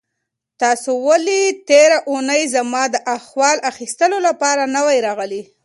تاسو ولې تېره اونۍ زما د احوال اخیستلو لپاره نه وئ راغلي؟